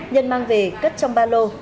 nhân mang về cất trong ba lô